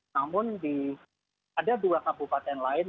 namun ada dua kabupaten lain